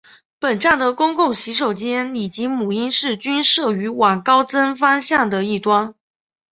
本站的公共洗手间以及母婴室均设于往高增方向的一端。